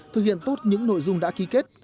thực hiện tốt những nội dung đã ký kết